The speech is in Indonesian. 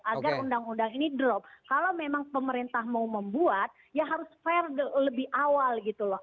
agar undang undang ini drop kalau memang pemerintah mau membuat ya harus fair lebih awal gitu loh